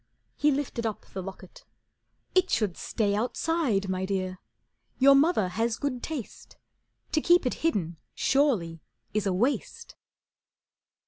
He lifted up the locket. "It should stay Outside, my Dear. Your mother has good taste. To keep it hidden surely is a waste."